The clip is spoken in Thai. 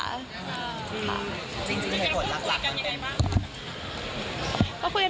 จริงใครก่อนรัก